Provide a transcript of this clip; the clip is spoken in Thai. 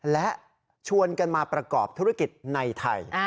และชวนกันมาประกอบธุรกิจในไทย